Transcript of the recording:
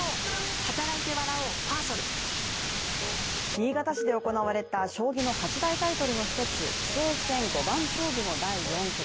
新潟市で行われた将棋の八大タイトルの一つ棋聖戦五番勝負第４局。